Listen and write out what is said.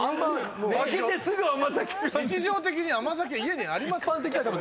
日常的に甘酒家にあります